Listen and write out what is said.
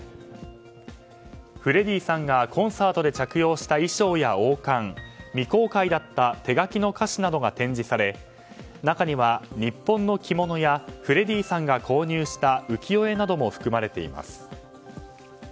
フレディさんがコンサートで着用した衣装や王冠未公開だった手書きの歌詞などが展示され中には、日本の着物やフレディさんが購入した浮世絵なども含まれています。